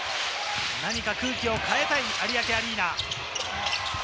空気を変えたい有明アリーナ。